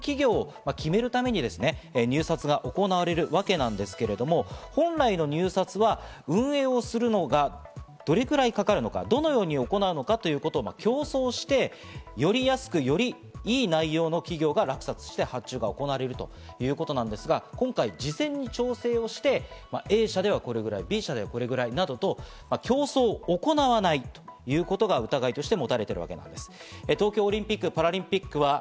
この運営する企業を決めるために入札が行われるわけなんですけれども、本来の入札は、運営をするのにどれくらいかかるのか、どのように行うのかということを競争して、より安く、より良い内容の企業が落札して発注が行われるということなんですが、今回事前に調整して、Ａ社ではこれぐらい、Ｂ社ではこれぐらいなどと競争を行わないということが疑いとして持たれています。